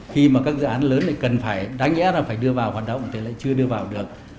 khi các dự án lớn cần phải đưa vào hoạt động thì lại chưa đưa vào được